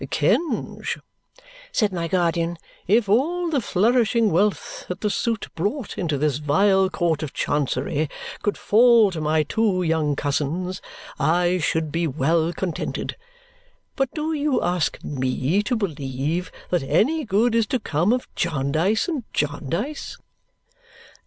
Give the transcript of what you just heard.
"Kenge," said my guardian, "if all the flourishing wealth that the suit brought into this vile court of Chancery could fall to my two young cousins, I should be well contented. But do you ask ME to believe that any good is to come of Jarndyce and Jarndyce?"